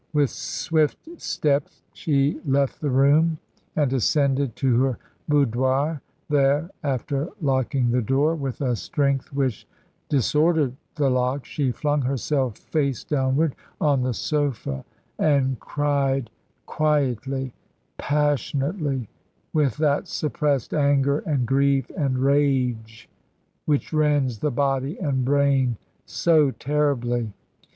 With swift steps she left the room and ascended to her boudoir; there, after locking the door, with a strength which disordered the lock, she flung herself face downward on the sofa, and cried quietly, passionately, with that suppressed anger and grief and rage which rends the body and brain so terribly.